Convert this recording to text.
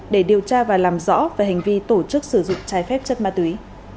để điều tra và làm rõ về hành vi tổ chức sử dụng trái phép chất ma túy